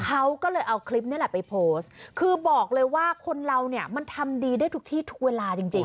เขาก็เลยเอาคลิปนี้แหละไปโพสต์คือบอกเลยว่าคนเราเนี่ยมันทำดีได้ทุกที่ทุกเวลาจริงจริง